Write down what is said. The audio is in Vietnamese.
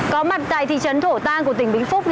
có mặt tại thị trấn thổ tàng của tỉnh vĩnh phúc